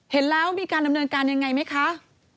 เห็นแล้วมีการดำเนินการยังไงไหมคะ